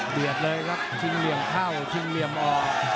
เลยครับชิงเหลี่ยมเข้าชิงเหลี่ยมออก